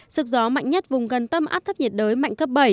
sức gió mạnh nhất vùng gần tâm áp thấp nhiệt đới mạnh cấp bảy